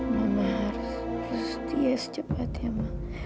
mama harus berhenti secepatnya ma